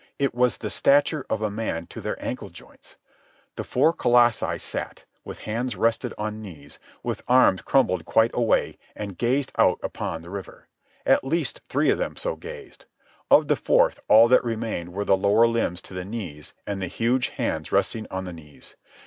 It was the stature of a man to their ankle joints. The four colossi sat, with hands resting on knees, with arms crumbled quite away, and gazed out upon the river. At least three of them so gazed. Of the fourth all that remained were the lower limbs to the knees and the huge hands resting on the knees.